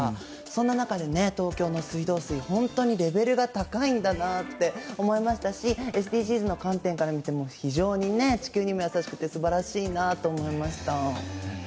そんな中で東京の水道水、本当にレベルが高いんだなと思いましたしＳＤＧｓの観点から見ても非常に地球にも優しくてすばらしいなと思いました。